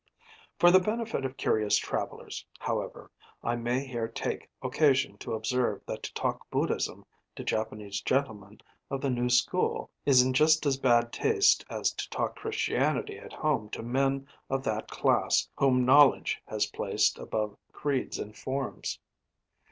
For the benefit of curious travellers, however, I may here take occasion to observe that to talk Buddhism to Japanese gentlemen of the new school is in just as bad taste as to talk Christianity at home to men of that class whom knowledge has placed above creeds and forms.